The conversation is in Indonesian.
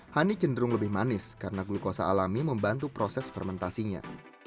honey cenderung lebih manis karena glukosa alami membantu proses fermentasinya